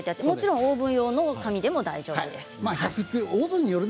もちろんオーブン用の紙でも大丈夫です。